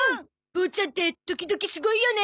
ボーちゃんって時々すごいよね！